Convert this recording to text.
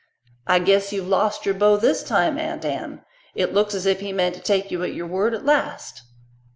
"I guess you've lost your beau this time, Aunt Anne. It looks as if he meant to take you at your word at last."